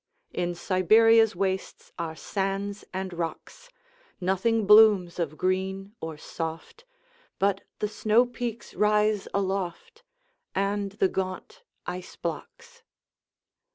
In Siberia's wastesAre sands and rocks. Nothing blooms of green or soft, But the snowpeaks rise aloftAnd the gaunt ice blocks.